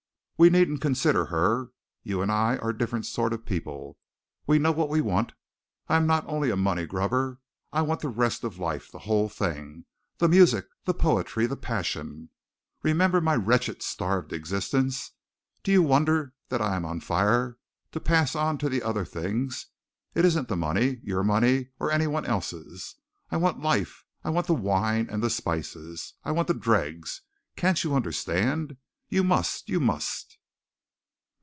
We needn't consider her, you and I are different sort of people. We know what we want. I am not only a money grubber. I want the rest of life, the whole thing, the music, the poetry, the passion! Remember my wretched, starved existence! Do you wonder that I am on fire to pass on to the other things. It isn't the money your money or any one else's! I want life! I want the wine and the spices! I want the dregs! Can't you understand? You must! you must!"